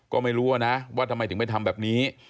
ก็ไม่รู้นะว่าทำไมถึงไปทำแบบนี้